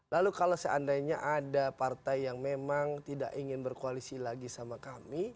lalu kalau seandainya ada partai yang memang tidak ingin berkoalisi lagi sama kami